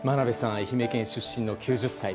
愛媛県出身の９０歳。